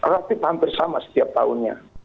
relatif hampir sama setiap tahunnya